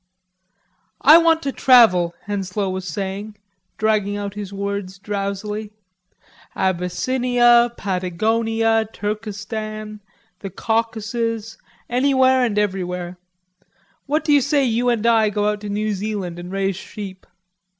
"I want to travel," Henslowe was saying, dragging out his words drowsily. "Abyssinia, Patagonia, Turkestan, the Caucasus, anywhere and everywhere. What do you say you and I go out to New Zealand and raise sheep?"